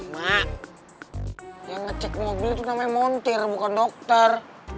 mak yang ngecek mobil itu namanya montir bukan dokter